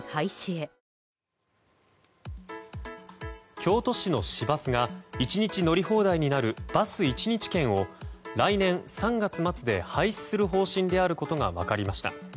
京都市の市バスが１日乗り放題になるバス１日券を来年３月末で廃止する方針であることが分かりました。